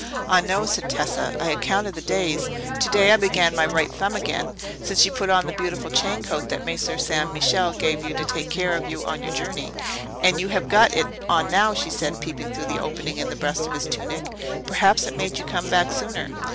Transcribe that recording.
"Ah, no," said Tessa, "I have counted the days—to day I began at my right thumb again—since you put on the beautiful chain coat, that Messer San Michele gave you to take care of you on your journey. And you have got it on now," she said, peeping through the opening in the breast of his tunic. "Perhaps it made you come back sooner."